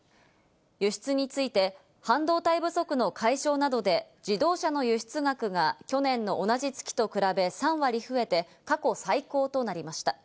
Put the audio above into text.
輸出について、半導体不足の解消などで、自動車の輸出額が去年の同じ月と比べ３割増えて、過去最高となりました。